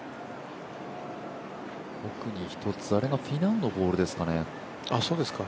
奥に１つ、あれがフィナウのボールですかね？